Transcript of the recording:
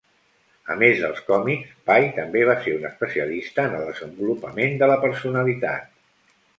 A més dels còmics, Pai també va ser un especialista en el desenvolupament de la personalitat.